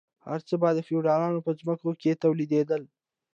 هر څه به د فیوډالانو په ځمکو کې تولیدیدل.